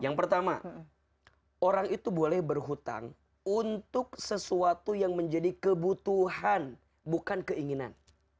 yang pertama orang itu boleh berhutang untuk sesuatu yang menjadi kebutuhan bukan keinginan